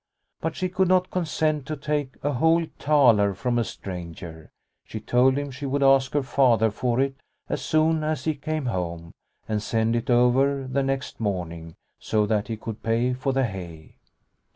But she could not consent to take a whole thaler from a stranger. She told him she would ask her Father for it as soon as he came home, and send it over the next morning, so that he could pay for the hay.